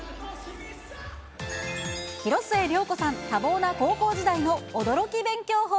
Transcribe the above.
広末涼子さん、多忙な高校時代の驚き勉強法。